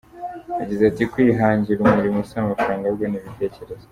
Yagize ati “Kwihangira umurimo si amafaranga, ahubwo ni ibitekerezo.